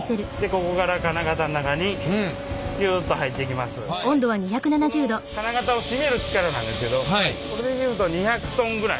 この金型を締める力なんですけどこれで言うと２００ｔぐらい。